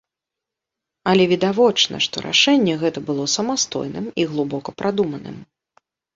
Але відавочна, што рашэнне гэта было самастойным і глыбока прадуманым.